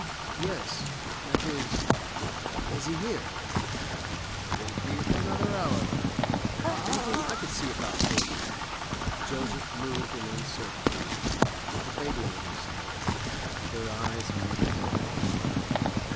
'Yes. That is—Is he here?' 'Won't be for another hour. Anything I could see about for you?' Joseph moved in uncertainty, debating with himself. Their eyes met again.